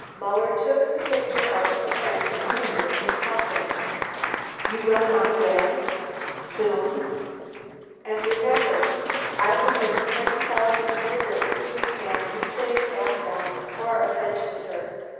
Muller took the picture out of the frame and put it in his pocket. "You will come again? soon? And remember, I will give ten thousand guldens to the man who saves Asta, or avenges her.